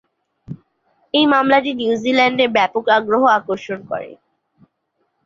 এই মামলাটি নিউজিল্যান্ডে ব্যাপক আগ্রহ আকর্ষণ করে।